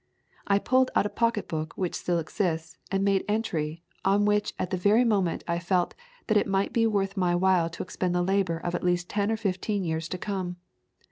I pulled out a pocketbook which still exists, and made entry, on which at the very moment I felt that it might be worth my while to expend the labour of at least ten or fifteen years to come.